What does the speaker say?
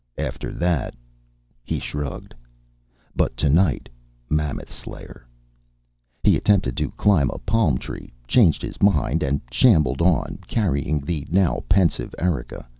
After that " He shrugged. "But tonight, Mammoth Slayer." He attempted to climb a palm tree, changed his mind, and shambled on, carrying the now pensive Erika.